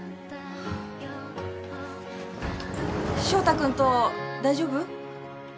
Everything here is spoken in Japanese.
翔太君と大丈夫？